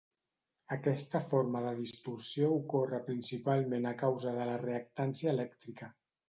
Aquesta forma de distorsió ocorre principalment a causa de la reactància elèctrica.